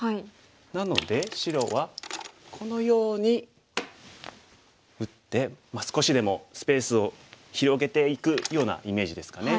なので白はこのように打って少しでもスペースを広げていくようなイメージですかね。